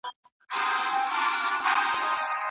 لارښود استاد باید خپله هم په څېړنه بوخت وي.